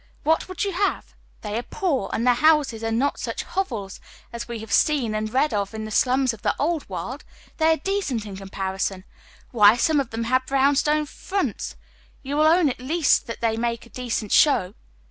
What would you have ? They are poor. And their houses are not such hovels as we have seen and read of in the slums of the Old World. They are decent in comparison. Why, some of them Iiave brown stone fronts. Ton will own at least that they make a decent show."